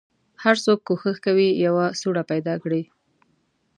هر څوک کوښښ کوي یوه سوړه پیدا کړي.